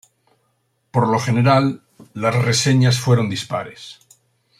Por lo general, las reseñas fueron dispares.